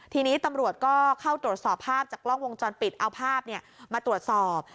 ทีนี้ตำรวจก็เข้าตรวจสอบภาพจากกล้องวงจรปิดเอาภาพมาตรวจสอบ